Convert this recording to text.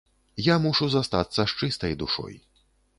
Я мушу застацца з чыстай душой!